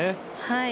はい。